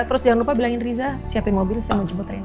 terus jangan lupa bilangin riza siapin mobil saya mau jemputin